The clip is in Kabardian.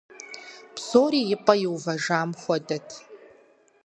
Псори и пӏэм иувэжам хуэдэт.